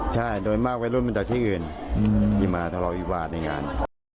ใช่โดยมากวัยรุ่นมันจากที่อื่นที่มาทะเลาวิวาสในงาน